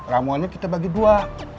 ramuannya kita bagi dua